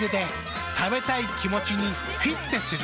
食べたい気持ちにフィッテする。